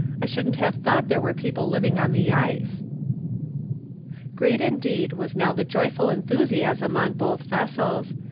I shouldn't have thought there were people living on the ice." Great indeed was now the joyful enthusiasm on both vessels.